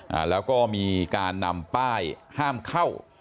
อ่าแล้วก็มีการนำป้ายห้ามเข้า